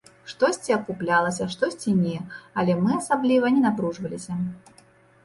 Штосьці акуплялася, штосьці не, але мы асабліва не напружваліся.